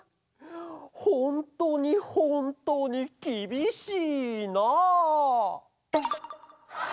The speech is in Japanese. ほんとにほんとにきびしいな。